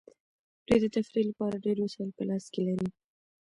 دوی د تفریح لپاره ډیر وسایل په لاس کې لري